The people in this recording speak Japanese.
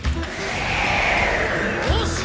よし！